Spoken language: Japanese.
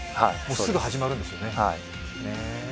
すぐ始まるんですよね。